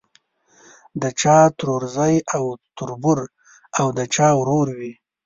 د چا ترورزی او تربور او د چا ورور وي.